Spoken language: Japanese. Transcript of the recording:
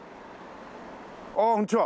あっこんにちは。